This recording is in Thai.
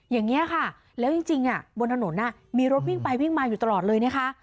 อย่างนี้ค่ะแล้วจริงบนถนนมีรถวิ่งไปวิ่งมาอยู่ตลอดเลยนะคะ